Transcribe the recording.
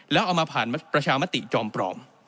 แล้วเอามาผ่านประชามติจอมปลอม